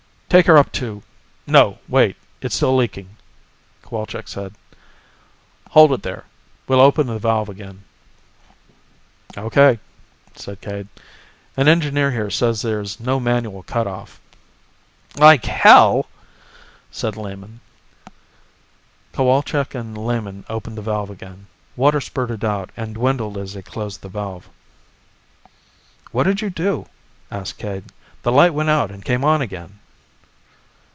"Take her up to ... no, wait, it's still leaking," Cowalczk said. "Hold it there, we'll open the valve again." "O.K.," said Cade. "An engineer here says there's no manual cutoff." "Like Hell," said Lehman. Cowalczk and Lehman opened the valve again. Water spurted out, and dwindled as they closed the valve. "What did you do?" asked Cade. "The light went out and came on again."